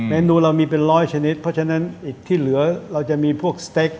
นูเรามีเป็นร้อยชนิดเพราะฉะนั้นอีกที่เหลือเราจะมีพวกสเต็ก